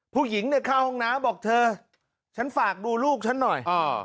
ผู้หญิงเนี่ยเข้าห้องน้ำบอกเธอฉันฝากดูลูกฉันหน่อย